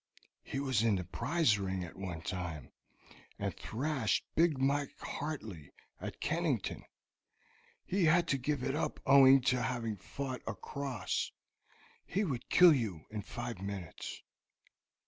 "He was in the prize ring at one time, and thrashed big Mike Hartley at Kennington. He had to give it up owing to having fought a cross. He would kill you in five minutes."